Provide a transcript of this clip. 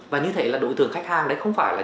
và như thế là đội thường khách hàng đấy không phải là